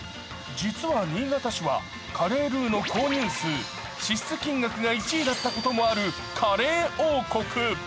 実は新潟市は、カレールーの購入数支出金額が１位だったこともあるカレー大国。